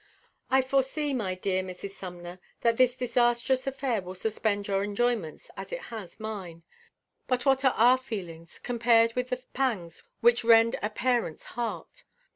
I foresee, my dear Mrs. Sumner, that this disastrous affair will suspend your enjoyments, as it has mine. But what are our feelings, compared with the pangs which rend a parent's heart?